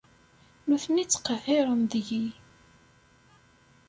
Nutni ttqehhiren deg-i.